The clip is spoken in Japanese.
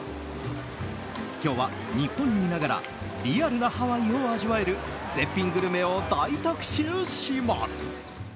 今日は、日本にいながらリアルなハワイを味わえる絶品グルメを大特集します。